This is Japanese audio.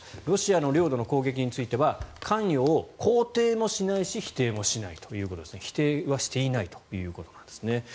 ロシアの領土の攻撃については関与を肯定もしないし否定もしないということで否定はしていないということです。